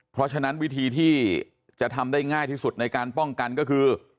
เพราะฉะนั้นวิธีที่จะทำได้ง่ายที่สุดในการป้องกันก็คือ